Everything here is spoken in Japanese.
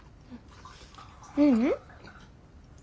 ううん。